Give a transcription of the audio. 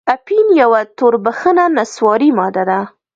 اپین یوه توربخنه نسواري ماده ده.